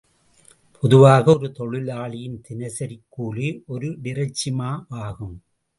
பொதுவாக ஒரு தொழிலாளியின் தினசரிக் கூலி ஒரு டிரச்சிமா வாகும்.